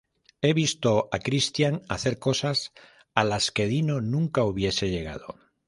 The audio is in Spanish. He visto a Christian hacer cosas a las que Dino nunca hubiese llegado.